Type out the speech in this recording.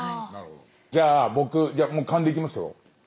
じゃあ僕もう勘でいきますよ。